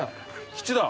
吉だ。